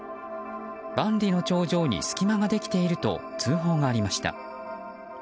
万里の長城に隙間ができていると通報がありました。